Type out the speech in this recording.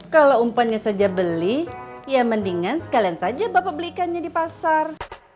kalau umpannya saja beli ya mendingan sekalian saja bapak belikannya di pasar